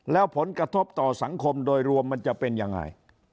แล้วผลกระทบต่อสังคมโดยรวมมันจะเป็นยังไง